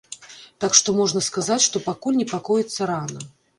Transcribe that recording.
Так што можна сказаць, што пакуль непакоіцца рана.